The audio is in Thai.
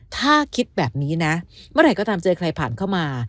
ถ้าคิดแบบนี้นะเมื่อไหร่ก็ตามเจอใครผ่านเข้ามา